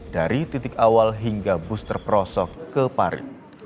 dari titik awal hingga bus terperosok ke parit